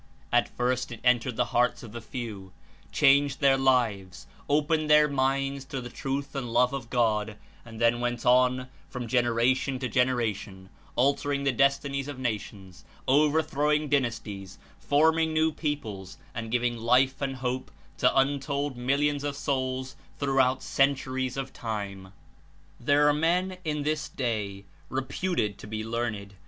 At first it entered the hearts of the few, changed their lives, opened their minds to the Truth and Love of God, and then went on from generation to generation, al tering the destinies of nations, overthrowing dynasties, forming new peoples and giving life and hope to un told millions of souls throughout centuries of time. There are men in this day, reputed to be learned.